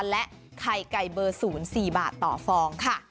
และไข่ไก่เบอร์๐๔บาทต่อฟองค่ะ